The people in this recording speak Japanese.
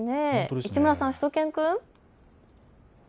市村さん、しゅと犬くん。